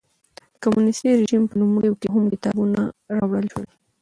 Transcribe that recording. د کمونېستي رژیم په لومړیو کې هم کتابونه راوړل شول.